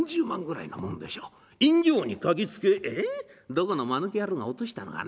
どこのまぬけ野郎が落としたのかね？